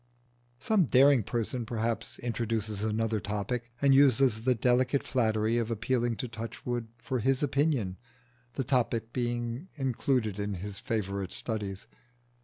Some daring person perhaps introduces another topic, and uses the delicate flattery of appealing to Touchwood for his opinion, the topic being included in his favourite studies.